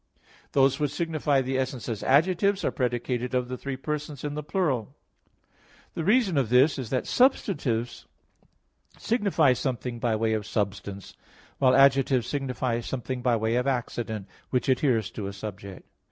Those which signify the essence as adjectives are predicated of the three persons in the plural. The reason of this is that substantives signify something by way of substance, while adjectives signify something by way of accident, which adheres to a subject.